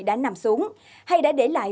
đã nằm xuống hay đã để lại